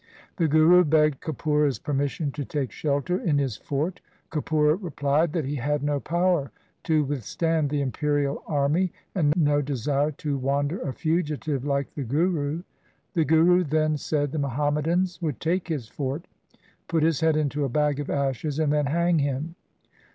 The Guru begged Kapura's permission to take shelter in his fort. Kapura replied that he had no power to withstand the imperial army, and no desire to wander a fugitive like the Guru. The Guru then said the Muhammadans would take his fort, put his head into a bag of ashes, and then hang him.